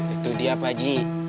itu dia baji